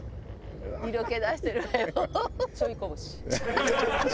色気出してるわよ。